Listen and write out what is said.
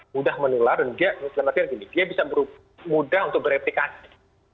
mudah menular dan dia bisa mudah untuk bereplikasi